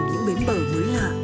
những bến bờ mới lạ